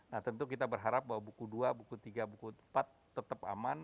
nah tentu kita berharap bahwa buku dua buku tiga buku empat tetap aman